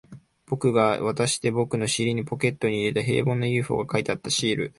君が僕に渡して、僕が尻にポケットに入れた、平凡な ＵＦＯ が描いてあるシールだった